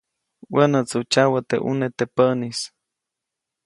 Wänätsu tsyawä teʼ ʼune teʼ päʼnis.